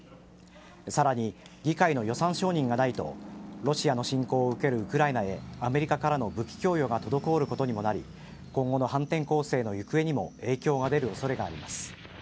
さらに、議会の予算承認がないとロシアの侵攻を受けるウクライナへアメリカからの武器供与が滞ることにもなり今後の反転攻勢の行方にも影響が出る恐れがあります。